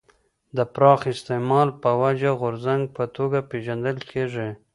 د پراخ استعمال په وجه غورځنګ په توګه پېژندل کېږي.